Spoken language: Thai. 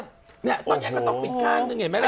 ต้อนเยอะก็ต้องปิดข้างนึงเห็นไหมละ